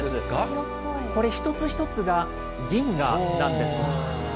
これ、一つ一つが銀河なんです。